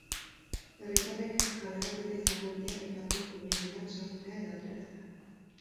Herritarrek galarazita izango dute aipatu guneetan sartzea edo ateratzea.